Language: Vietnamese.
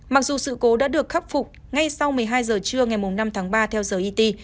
mặc dù sự cố đã được khắc phục ngay sau một mươi hai h trưa ngày năm tháng ba theo giờ it